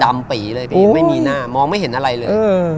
ปีเลยพี่ไม่มีหน้ามองไม่เห็นอะไรเลย